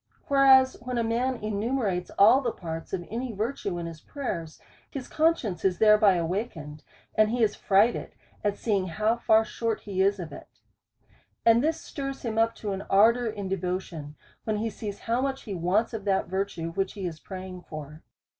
Whereas when a man enumerates all the parts of any virtue in his prayers, his conscience is thereby awakened, and he is frightened at seeing how far short he is of it. And this stirs him up to an ar dour in devotion, when he sees how much he wants of that virtue which he is praying for.